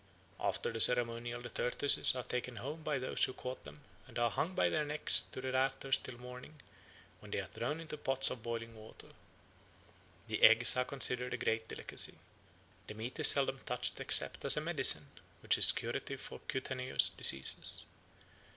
"After the ceremonial the tortoises are taken home by those who caught them and are hung by their necks to the rafters till morning, when they are thrown into pots of boiling water. The eggs are considered a great delicacy. The meat is seldom touched except as a medicine, which is curative for cutaneous diseases.